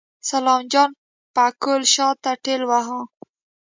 سلام جان پکول شاته ټېلوهه.